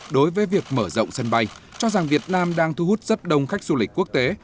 đối với việc mở rộng sân bay cho rằng việt nam đang thu hút rất đông khách du lịch quốc tế